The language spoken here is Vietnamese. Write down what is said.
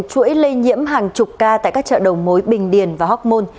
chuỗi lây nhiễm hàng chục ca tại các chợ đầu mối bình điền và hóc môn